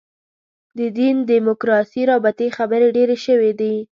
د دین دیموکراسي رابطې خبرې ډېرې شوې دي.